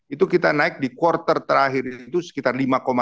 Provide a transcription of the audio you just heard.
itu kita naik di quarter terakhir itu sekitar lima empat